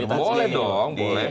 boleh dong boleh